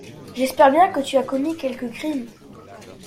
J’espère bien que tu as commis quelque crime.